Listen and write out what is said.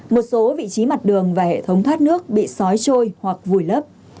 một số vị trí mặt đường và hệ thống thoát nước bị sói trôi hoặc vùi lấp